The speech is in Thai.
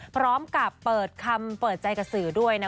พร้อมกับเปิดคำเปิดใจกับสื่อด้วยนะ